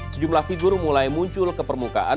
sejumlah figur mulai muncul ke permukaan